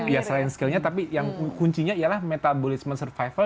ya selain skillnya tapi yang kuncinya ialah metabolisme survival